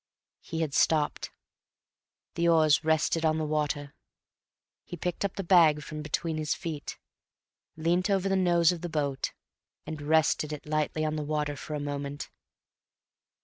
He had stopped. The oars rested on the water. He picked up the bag from between his feet, leant over the nose of the boat, and rested it lightly on the water for a moment.